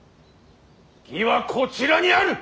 義はこちらにある！